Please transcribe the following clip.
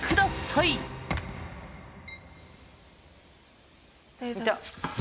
いた。